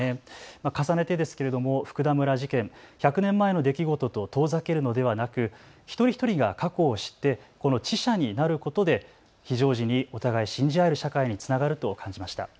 重ねてですが福田村事件、１００年前の出来事と遠ざけるのではなく一人一人が過去を知ってこの智者になることで非常時にお互い信じ合える社会につながると感じました。